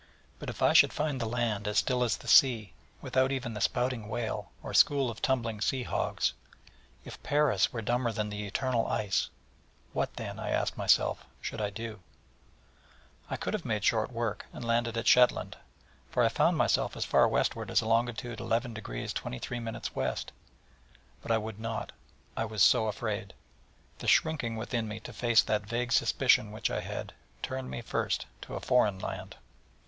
But if I should find the land as still as the sea, without even the spouting whale, or school of tumbling sea hogs if Paris were dumber than the eternal ice what then, I asked myself, should I do? I could have made short work, and landed at Shetland, for I found myself as far westward as longitude 11° 23' W.: but I would not: I was so afraid. The shrinking within me to face that vague suspicion which I had, turned me first to a foreign land.